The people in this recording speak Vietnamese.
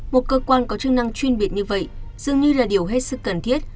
một cơ quan có chức năng chuyên biệt như vậy dường như là điều hết sức cần thiết